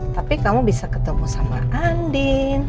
tapi kamu bisa ketemu sama andin